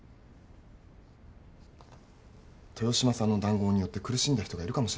豊島さんの談合によって苦しんだ人がいるかもしれない。